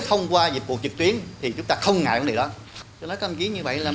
thông qua dịch vụ trực tuyến thì chúng ta không ngại cái này đó tôi nói các đồng chí như vậy là